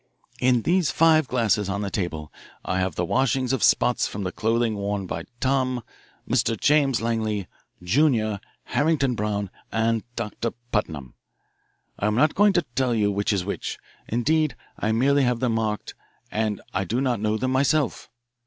"In these five glasses on the table I have the washings of spots from the clothing worn by Tom, Mr. James Langley, Junior, Harrington Brown, and Doctor Putnam. I am not going to tell you which is which indeed I merely have them marked, and I do not know them myself.